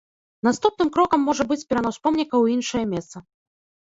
Наступным крокам можа быць перанос помніка ў іншае месца.